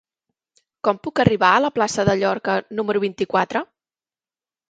Com puc arribar a la plaça de Llorca número vint-i-quatre?